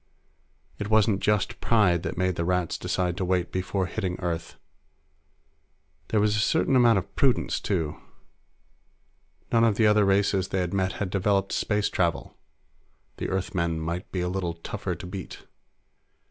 It wasn't just pride that had made the Rats decide to wait before hitting Earth; there was a certain amount of prudence, too. None of the other races they had met had developed space travel; the Earthmen might be a little tougher to beat.